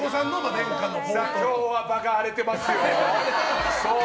今日は場が荒れてますよ。